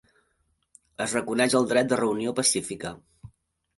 Es reconeix el dret de reunió pacífica.